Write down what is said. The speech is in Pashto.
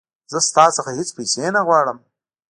زه ستا څخه هیڅ پیسې نه غواړم.